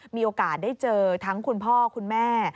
มีโอกาสได้เจอทั้งคุณพ่อคุณแม่